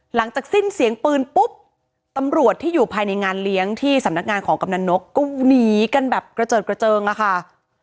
หลังจากสิ้นเสียงปืนปุ๊บตำรวจที่อยู่ภายในงานเลี้ยงที่สำนักงานของกำนันนกก็หนีกันแบบกระเจิดกระเจิงอะค่ะ